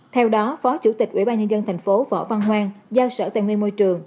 theo đó phó chủ tịch ủy ban nhân dân tp võ văn hoang giao sở tài nguyên môi trường